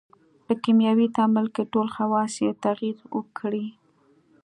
په کیمیاوي تعامل کې ټول خواص یې تغیر وکړي.